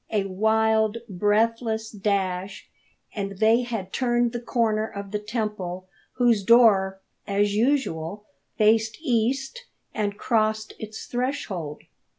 A wild, breathless dash, and they had turned the corner of the temple whose door, as usual, faced east and crossed its threshold.